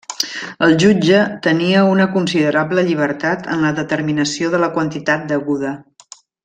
El jutge tenia una considerable llibertat en la determinació de la quantitat deguda.